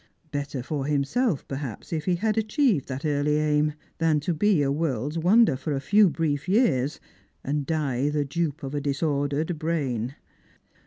■' Better for himself, perhaps, if he had achieved that early aim, than to be a world's wonder for a few brief years, and die the dupe of a disordered brain."